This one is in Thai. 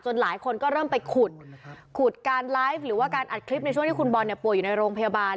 หลายคนก็เริ่มไปขุดขุดการไลฟ์หรือว่าการอัดคลิปในช่วงที่คุณบอลเนี่ยป่วยอยู่ในโรงพยาบาล